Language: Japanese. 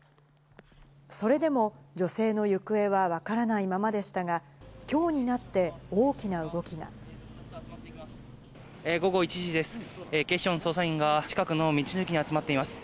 それでも女性の行方は分からないままでしたが、きょうになって、午後１時です。